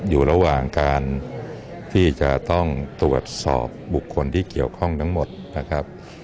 อยู่ระหว่างการที่จะต้องตรวจสอบบุคคลที่เกี่ยวข้องทั้งหมดนะครับ